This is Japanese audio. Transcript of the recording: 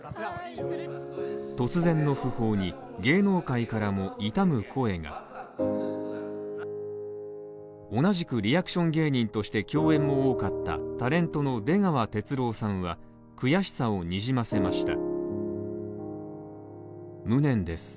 突然の訃報に、芸能界からも悼む声が同じくリアクション芸人として共演も多かったタレントの出川哲朗さんは悔しさをにじませました。